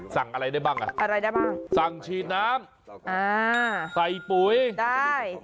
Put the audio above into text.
สั่งอะไรได้บ้างอ่ะสั่งฉีดน้ำใส่ปุ๋ยได้